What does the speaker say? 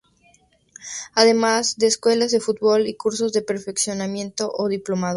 Además de escuelas de fútbol y cursos de perfeccionamiento o diplomados.